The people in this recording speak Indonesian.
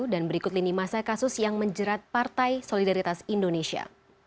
dan berikut lini masa kasus yang menjerat partai solidaritas indonesia